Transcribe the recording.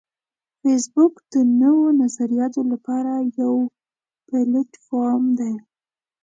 فېسبوک د نوو نظریاتو لپاره یو پلیټ فارم دی